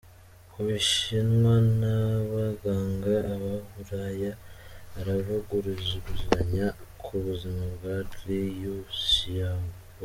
Ubushinwa n'abaganga ba Bulaya baravuguruzanya ku buzima bwa Liu Xiaobo.